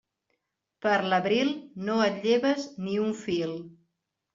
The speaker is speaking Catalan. Per l'abril, no et lleves ni un fil.